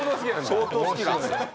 相当好きなんですよ。